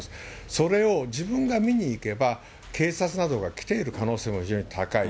それを自分が見に行けば警察などが来ている可能性も非常に高い。